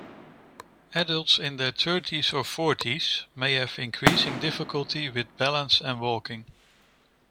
Adults in their thirties or forties may have increasing difficulty with balance and walking.